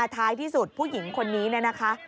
ท้ายที่สุดผู้หญิงคนนี้เนี่ยนะคะ